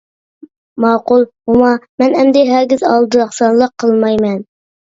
-ماقۇل موما، مەن ئەمدى ھەرگىز ئالدىراقسانلىق قىلمايمەن.